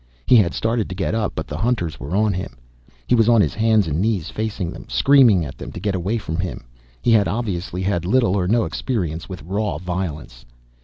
He had started to get up, but the hunters were on him. He was on his hands and knees facing them, screaming at them to get away from him. He had, obviously, had little or no experience with raw violence.